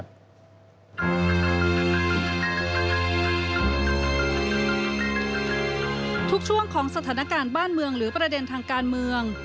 ทุกช่วงของสถานการณ์บ้านเมืองหรือประเด็นทางการเมือง